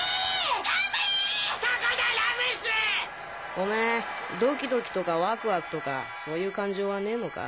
オメードキドキとかワクワクとかそういう感情はねのか？